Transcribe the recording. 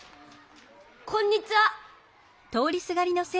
こんにちは。